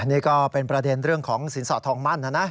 นี่ก็เป็นประเด็นเรื่องของสินสอดทองมั่นนะนะ